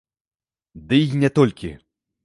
Ды і не толькі.